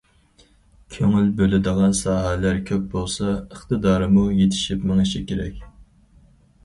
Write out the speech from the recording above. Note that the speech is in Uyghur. كۆڭۈل بۆلىدىغان ساھەلەر كۆپ بولسا، ئىقتىدارىمۇ يېتىشىپ مېڭىشى كېرەك.